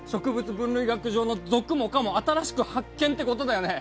分類学上の属も科も新しく発見ってことだよね？